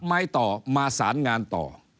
ไม้ต่อมาสารงานต่อ